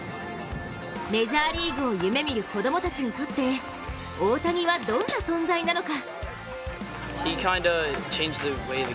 メジャーリーグを夢見る子供たちにとって大谷はどんな存在なのか。